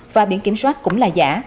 và biển kiểm soát cũng là giả